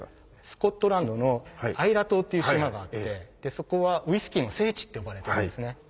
スコットランドのアイラ島っていう島があってそこはウイスキーの聖地って呼ばれてるんですね。